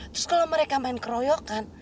terus kalau mereka main keroyokan